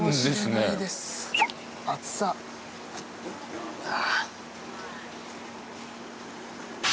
厚さうわ